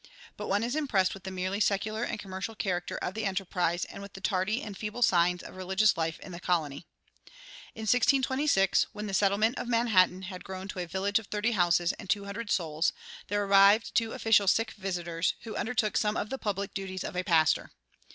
But one is impressed with the merely secular and commercial character of the enterprise and with the tardy and feeble signs of religious life in the colony. In 1626, when the settlement of Manhattan had grown to a village of thirty houses and two hundred souls, there arrived two official "sick visitors," who undertook some of the public duties of a pastor.